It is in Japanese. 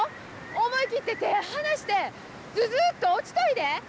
思い切って手ぇ離してずずっと落ちといで。